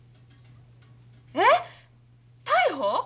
えっ逮捕！？